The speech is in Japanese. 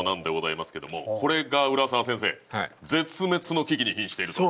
これが浦沢先生絶滅の危機に瀕していると。